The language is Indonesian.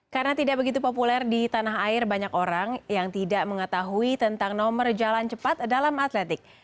karena tidak begitu populer di tanah air banyak orang yang tidak mengetahui tentang nomor jalan cepat dalam atletik